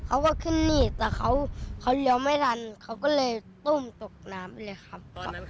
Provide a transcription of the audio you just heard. เขาก็ขึ้นนี่แต่เขาเลี้ยวไม่ทันเขาก็เลยตุ้มตกน้ำไปเลยครับ